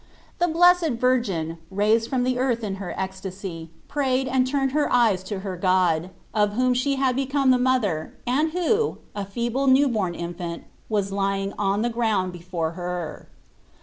The Blessed Virgin, raised from the earth in her ecstasy, prayed and turned her eyes to her God, of whom she had become the mother, and who, a feeble new born infant, was lying on the ground before her.